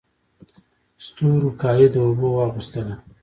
ستورو کالي د اوبو واغوستله